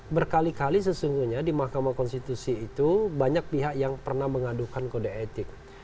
berkali kali sesungguhnya di mahkamah konstitusi itu banyak pihak yang pernah mengadukan kode etik